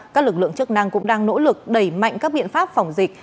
các lực lượng chức năng cũng đang nỗ lực đẩy mạnh các biện pháp phòng dịch